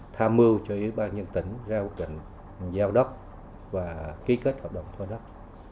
tham mưu cho ủy ban nhân tỉnh ra quyết định giao đất và ký kết hợp đồng cho thuê đất